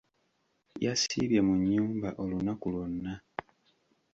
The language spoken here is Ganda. Yasiibye mu nnyumba olunaku lwonna.